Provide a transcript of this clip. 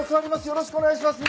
よろしくお願いします。